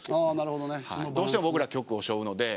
どうしても僕ら局を背負うので。